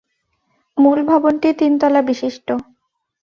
মূল ভবনটি তিন তলা বিশিষ্ট।